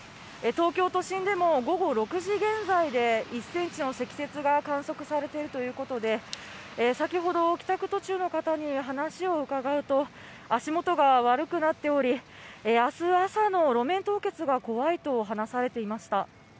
東京都心でも、午後６時現在で１センチの積雪が観測されているということで、先ほど帰宅途中の方に話を伺うと、足元が悪くなっており、あす朝の路面凍結が怖いと話されていました。